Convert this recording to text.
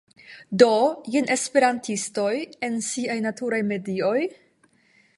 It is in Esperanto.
Do, jen esperantistoj... en siaj naturaj medioj